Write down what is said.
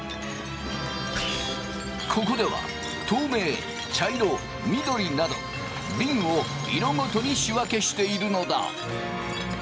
ここでは透明茶色緑などびんを色ごとに仕分けしているのだ。